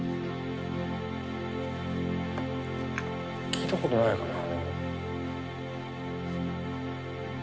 聴いたことないかな。